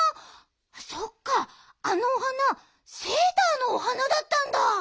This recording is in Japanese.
そっかあのお花セーターのお花だったんだ。